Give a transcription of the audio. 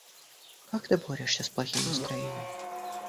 Как ты борешься с плохим настроением?